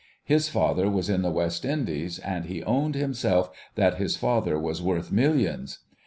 His father was in the West Indies, and he owned, himself, that his father was worth Millions.